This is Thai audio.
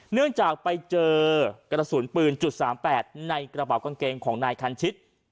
เนื่องจากไปเจอกระสุนปืน๓๘ในกระเป๋ากางเกงของนายคันชิต